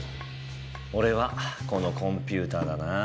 俺はこのコンピューターだな。